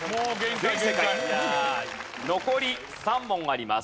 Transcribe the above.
残り３問あります。